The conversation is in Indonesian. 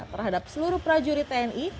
terhadap seluruh prajurit tni